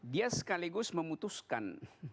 dia sekaligus memutuskan